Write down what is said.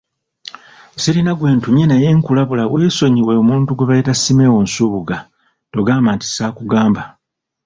Sirina gwe ntumye naye nkulabula weesonyiwe omuntu gwe bayita Simeo Nsubuga, togamba nti saakugamba.